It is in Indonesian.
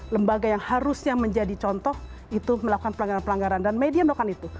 lembaga yang harusnya menjadi contoh itu melakukan pelanggaran pelanggaran dan media melakukan itu